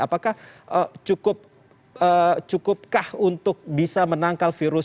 apakah cukup cukupkah untuk bisa menangkal virus ini